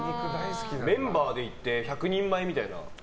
メンバーで行って１００人前みたいな。